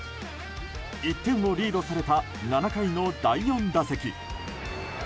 １点をリードされた７回の第４打席。